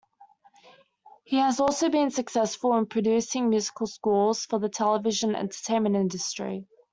He has also been successful in producing musical scores for the television entertainment industry.